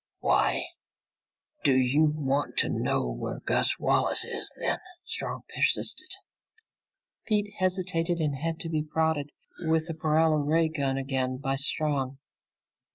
"Why do you want to know where Gus Wallace is, then?" Strong persisted. Pete hesitated and had to be prodded with the paralo ray gun again by Strong.